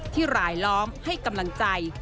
หลายล้อมให้กำลังใจ